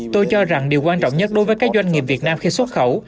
tôi cho rằng điều quan trọng nhất đối với các doanh nghiệp việt nam khi xuất khẩu